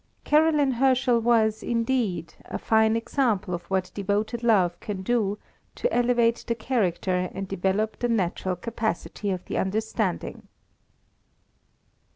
Caroline Herschel was, indeed, a fine example of what devoted love can do to elevate the character and develop the natural capacity of the understanding.